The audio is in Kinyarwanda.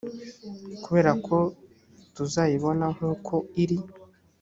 kubera ko tuzayibona nk uko iri